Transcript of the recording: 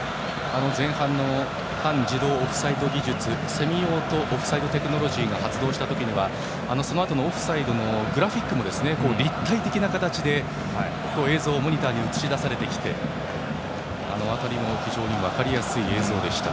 前半の半自動オフサイド技術セミオートオフサイドテクノロジーが発動した時にはそのあとのオフサイドのグラフィックも立体的な形で映像がモニターに映し出されてきてあの辺りも非常に分かりやすい映像でした。